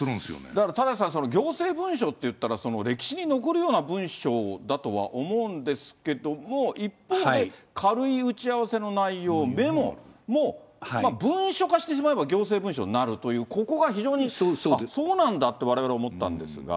だから、田崎さん、行政文書っていったら、歴史に残るような文書だとは思うんですけれども、一方で、軽い打ち合わせの内容、メモも、文書化してしまえば行政文書になるという、ここが非常に、そうなんだってわれわれ思ったんですが。